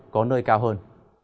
có nơi cao hơn